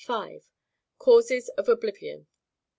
Causes of oblivion.